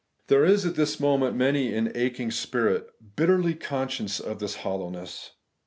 There is at this moment many an aching spirit, bitterly conscious of this hollow ness..